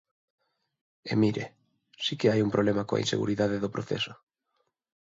E mire: si que hai un problema coa inseguridade do proceso.